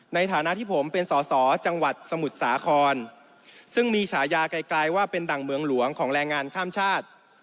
ในฐานะที่ผมเป็นสอสอจังหวัดสมุทรสาครซึ่งมีฉายาไกลว่าเป็นดั่งเมืองหลวงของแรงงานข้ามชาติ